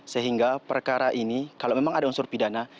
sehingga perkara ini kalau memang ada unsur pidana